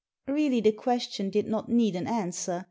" Really the question did not need an answer.